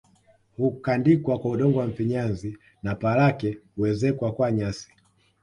Hukandikwa kwa udongo wa mfinyanzi na paa lake huezekwa kwa nyasi